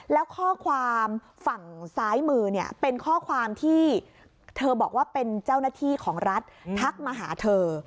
แล้วข้อความฝั่งซ้ายมือเนี่ยเป็นข้อความที่เธอบอกว่าเป็นเจ้าหน้าที่ของรัฐทักมาหาเธอ